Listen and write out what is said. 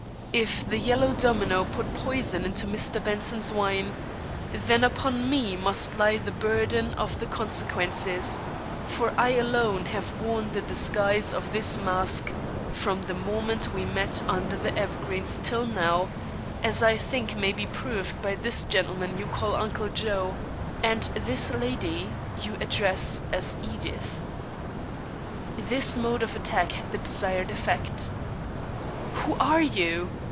If the Yellow Domino put poison into Mr. Benson's wine, then upon me must lie the burden of the consequences, for I alone have worn the disguise of this mask from the moment we met under the evergreens till now, as I think may be proved by this gentleman you call Uncle Joe, and this lady you address as Edith." This mode of attack had the desired effect. "Who are you?"